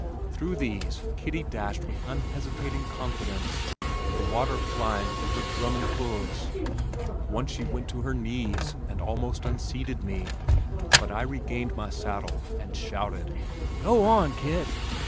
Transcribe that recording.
Through these Kittie dashed with unhesitating confidence, the water flying from her drumming hooves. Once she went to her knees and almost unseated me, but I regained my saddle and shouted, "Go on, Kit."